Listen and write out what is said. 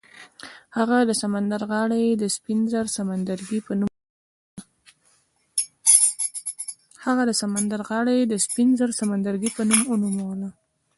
هغه د سمندر غاړه یې د سپین زر سمندرګي په نوم ونوموله.